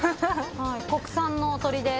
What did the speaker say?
国産の鶏です。